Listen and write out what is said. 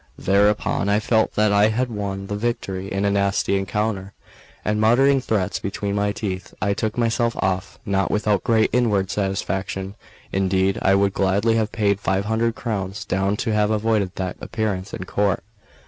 Thereupon I felt that I had won the victory in a nasty encounter; and, muttering threats between my teeth, I took myself off, not without great inward satisfaction. Indeed, I would gladly have paid five hundred crowns down to have avoided that appearance in court.